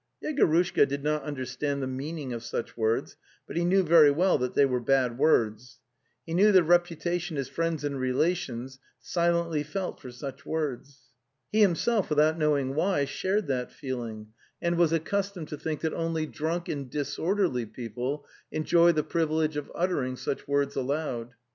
Yego rushka did not understand the meaning of such words, but he knew very well they were bad words. He knew the repulsion his friends and relations silently felt for such words. He himself, without knowing The Steppe gO why, shared that feeling and was accustomed to think that only drunk and disorderly people enjoy the privilege of uttering such words aloud.